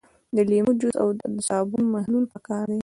د لیمو جوس او د صابون محلول پکار دي.